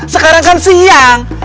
sekarang kan siang